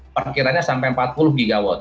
perkiranya sampai empat puluh gigawatt